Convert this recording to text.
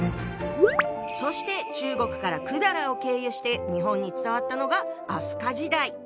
そして中国から百済を経由して日本に伝わったのが飛鳥時代。